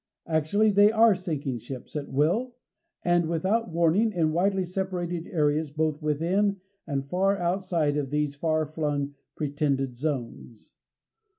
Actually they are sinking ships at will and without warning in widely separated areas both within and far outside of these far flung pretended zones.